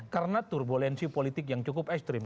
karena turbulensi politik yang cukup ekstrim